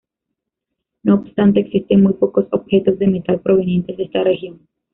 No obstante, existen muy pocos objetos de metal provenientes de esta región.